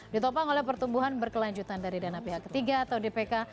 ditopang oleh pertumbuhan berkelanjutan dari dana pihak ketiga atau dpk